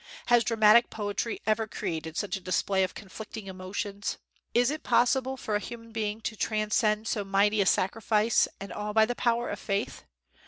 Has dramatic poetry ever created such a display of conflicting emotions? Is it possible for a human being to transcend so mighty a sacrifice, and all by the power of faith?